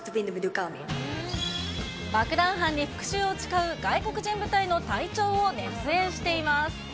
爆弾犯に復讐を誓う外国人部隊の体長を熱演しています。